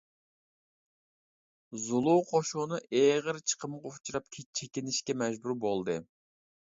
زۇلۇ قوشۇنى ئېغىر چىقىمغا ئۇچراپ چېكىنىشكە مەجبۇر بولدى.